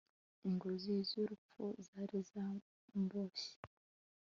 ingoyi z'urupfu zari zamboshye